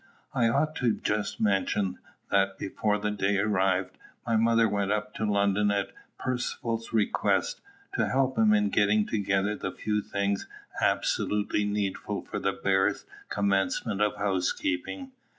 I ought to just mention, that, before the day arrived, my mother went up to London at Percivale's request, to help him in getting together the few things absolutely needful for the barest commencement of housekeeping.